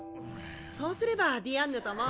そうすればディアンヌとも。